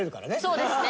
そうですね。